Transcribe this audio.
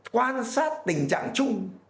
quan sát tình trạng chung